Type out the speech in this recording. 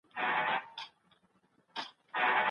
د سياست په ډګر کي وخت او ځای خورا مهم دي.